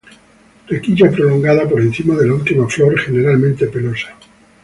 Raquilla prolongada por encima de la última flor, generalmente pelosa.